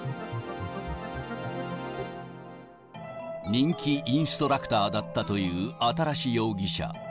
人気インストラクターだったという新容疑者。